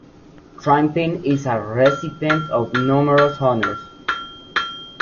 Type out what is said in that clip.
Trimpin is a recipient of numerous honors.